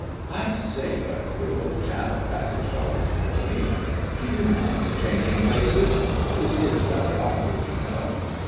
"I say, Butterfield, old chap," Bassishaw whispered to me, "do you mind changing places? This is rather awkward, you know."